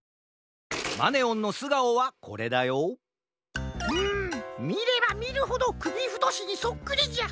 マネオンのすがおはこれだようんみればみるほどくびふとしにそっくりじゃ。